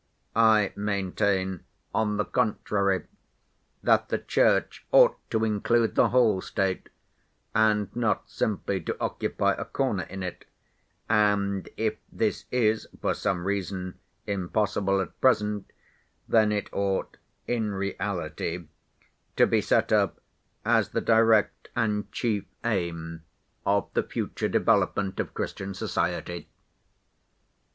I maintain, on the contrary, that the Church ought to include the whole State, and not simply to occupy a corner in it, and, if this is, for some reason, impossible at present, then it ought, in reality, to be set up as the direct and chief aim of the future development of Christian society!"